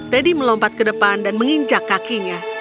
teddy melompat ke depan dan menginjak kakinya